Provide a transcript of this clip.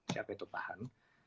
siapa itu pahan